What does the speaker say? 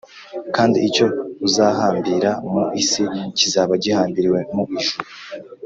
kandi icyo uzahambira mu isi kizaba gihambiriwe mu ijuru,